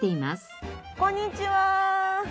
こんにちは。